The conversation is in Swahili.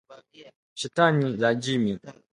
Shetani Rajimi